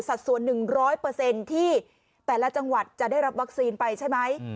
สัดส่วน๑๐๐ที่แต่ละจังหวัดจะได้รับวัคซีนไปใช่ไหม